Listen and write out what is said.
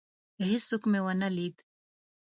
هیڅوک مي ونه لید.